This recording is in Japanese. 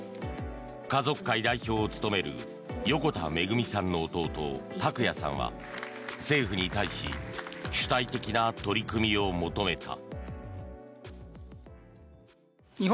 家族会代表を務める横田めぐみさんの弟・拓也さんは政府に対し主体的な取り組みを求めた。